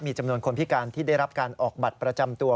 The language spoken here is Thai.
จำนวนคนพิการที่ได้รับการออกบัตรประจำตัว